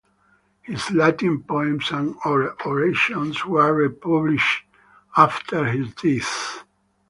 His Latin poems and orations were republished after his death.